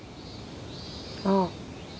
ああ。